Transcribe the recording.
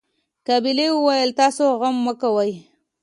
قابلې وويل تاسو غم مه کوئ.